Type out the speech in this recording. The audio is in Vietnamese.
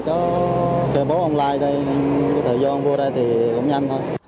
nhờ có khai báo online đây thời gian vô đây thì cũng nhanh thôi